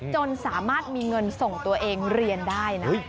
จนสามารถมีเงินส่งตัวเองเรียนได้นะ